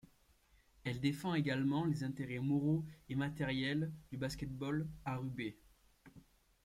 Elle défend également les intérêts moraux et matériels du basket-ball arubais.